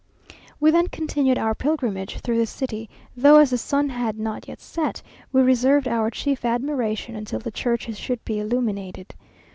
We then continued our pilgrimage through the city, though, as the sun had not yet set, we reserved our chief admiration until the churches should be illuminated.